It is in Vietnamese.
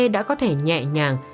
đã có thể nhẹ nhàng